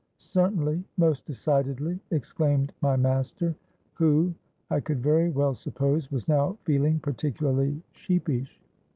'—'Certainly, most decidedly,' exclaimed my master, who, I could very well suppose, was now feeling particularly sheepish.